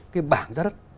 cái bảng giá đất